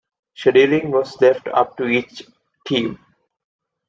Scheduling was left up to each team.